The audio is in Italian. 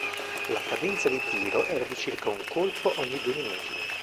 La cadenza di tiro era di circa un colpo ogni due minuti.